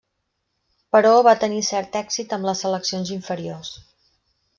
Però, va tenir cert èxit amb les seleccions inferiors.